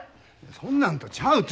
そんなんとちゃうて。